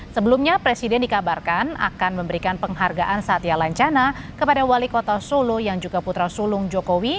sebelumnya presiden dikabarkan akan memberikan penghargaan saat ia lancana kepada wali kota solo yang juga putra sulung jokowi